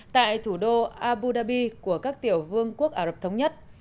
tại thủ đô abu dhabi của các tiểu vương quốc ả rập thống nhất